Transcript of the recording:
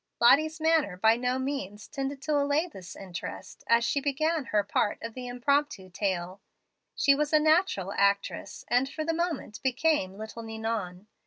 Lottie's manner by no means tended to allay this interest as she began her part of the impromptu tale. She was a natural actress, and, for the moment, became little Ninon.